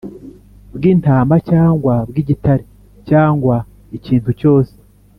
Bw intama cyangwa bw igitare cyangwa ikintu cyose